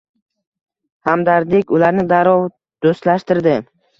Hamdardlik ularni darrov do'stlashtirdi.